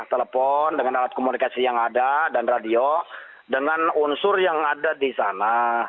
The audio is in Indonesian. telepon dengan alat komunikasi yang ada dan radio dengan unsur yang ada di sana